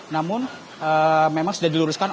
namun memang sudah diluruskan